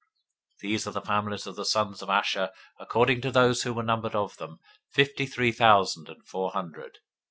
026:047 These are the families of the sons of Asher according to those who were numbered of them, fifty three thousand and four hundred.